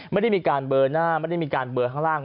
ไม่ได้มีการเบอร์หน้าไม่ได้มีการเบอร์ข้างล่าง